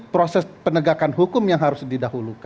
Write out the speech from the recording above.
proses penegakan hukum yang harus didahulukan